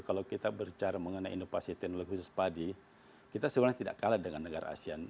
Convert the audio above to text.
kalau kita berbicara mengenai inovasi teknologi khusus padi kita sebenarnya tidak kalah dengan negara asean